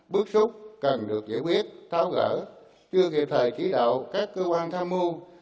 bước xúc cần được giải quyết tháo gỡ chưa kịp thời chỉ đạo các cơ quan tham mưu